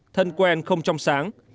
thân quen không trong sáng